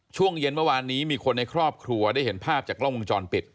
ช่วงเย็นเมื่อวานนี้มีคนในครอบครัวได้เห็นภาพจากกล้องวงจรปิด